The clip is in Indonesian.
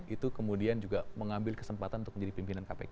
itu kemudian juga mengambil kesempatan untuk menjadi pimpinan kpk